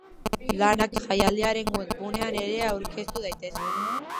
Lanak jaialdiaren webgunean ere aurkeztu daitezke.